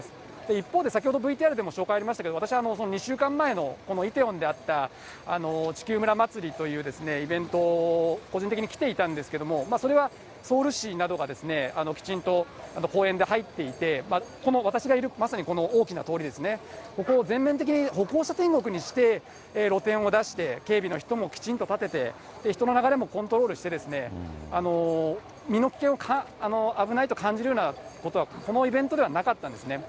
一方で、先ほどＶＴＲでも紹介ありましたけど、私は２週間前のこのイテウォンであった地球村祭りというイベント、個人的に来ていたんですけれども、それはソウル市などがきちんと公園で入っていて、この私がいる、まさにこの大きな通りですね、ここを全面的に歩行者天国にして、露店を出して、警備の人もきちんと立てて、人の流れもコントロールして、身の危険を、危ないと感じるようなことは、このイベントではなかったんですね。